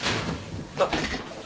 あっ。